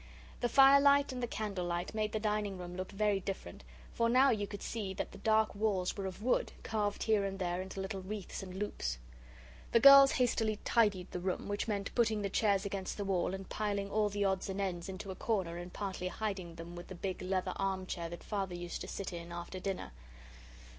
The fire light and the candle light made the dining room look very different, for now you could see that the dark walls were of wood, carved here and there into little wreaths and loops. The girls hastily 'tidied' the room, which meant putting the chairs against the wall, and piling all the odds and ends into a corner and partly hiding them with the big leather arm chair that Father used to sit in after dinner.